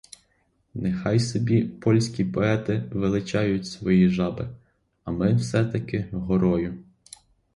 Нехай собі польські поети величають свої жаби, а ми все-таки горою!